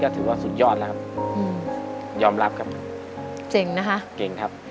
ถือว่าสุดยอดแล้วครับอืมยอมรับครับเก่งนะคะเก่งครับ